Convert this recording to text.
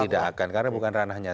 tidak akan karena bukan ranahnya